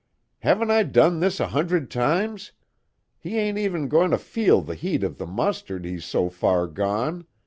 "Haven't I done this a hundred times? He ain't even goin' to feel the heat of the mustard, he's so far gone!